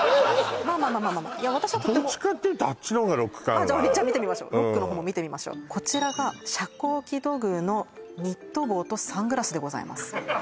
まあまあまあまあまあまあまあどっちかっていうとあっちの方がロック感あるわじゃあ見てみましょうロックの方も見てみましょうこちらが遮光器土偶のニット帽とサングラスでございます